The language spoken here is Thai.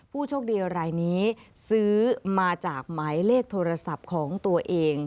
ผู้โชคดีรายนี้ซื้อมาจากหมายเลขโทรศัพท์ของตัวเอง